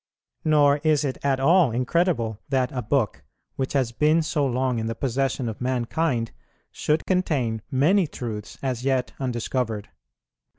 Nor is it at all incredible that a book, which has been so long in the possession of mankind, should contain many truths as yet undiscovered.